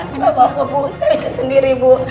nggak apa apa bu saya bisa sendiri bu